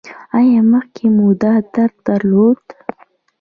ایا مخکې مو دا درد درلود؟